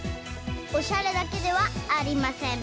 おしゃれだけではありません。